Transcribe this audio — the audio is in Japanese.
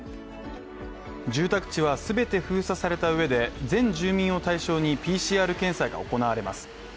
住宅地は全て封鎖されたうえで全住民を対象にＰＣＲ検査が行われます。